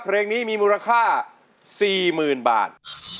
เพลงนี้มีมูลค่า๔๐๐๐บาท